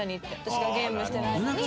私がゲームしてる間に」